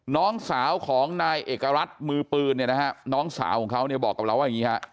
น้องสาวของนายเอกรัฐมือปืนเนี่ยนะฮะน้องสาวของเขาเนี่ยบอกกับเราว่าอย่างนี้ฮะ